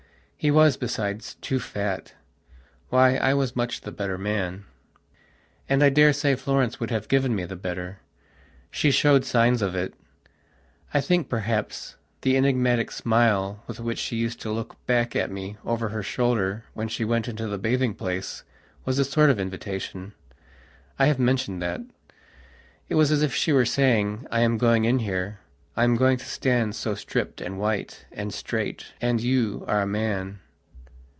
He was, besides, too fat. Why, I was much the better man.... And I daresay Florence would have given me the better. She showed signs of it. I think, perhaps, the enigmatic smile with which she used to look back at me over her shoulder when she went into the bathing place was a sort of invitation. I have mentioned that. It was as if she were saying: "I am going in here. I am going to stand so stripped and white and straightand you are a man...."